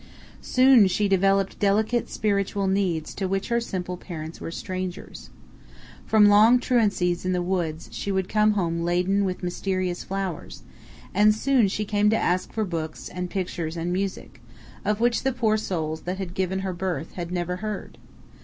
Soon she developed delicate spiritual needs to which her simple parents were strangers. From long truancies in the woods she would come home laden with mysterious flowers, and soon she came to ask for books and pictures and music, of which the poor souls that had given her birth had never heard.